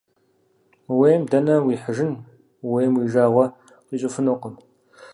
Ууейм дэнэ уихьыжын, ууейм уи жагъуэ къищӀыфынукъым.